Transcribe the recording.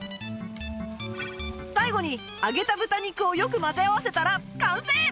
最後に揚げた豚肉をよく混ぜ合わせたら完成